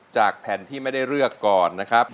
จากแผ่นที่ไม่ได้เลือกก่อนนะครับ